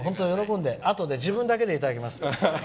あとで自分だけでいただきます。